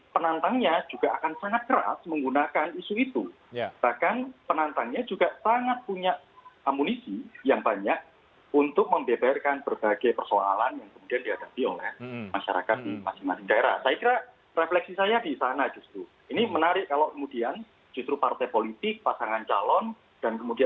mas agus melas dari direktur sindikasi pemilu demokrasi